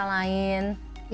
atau di negara lain